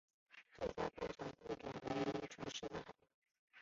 最佳观赏地点为城市阳台。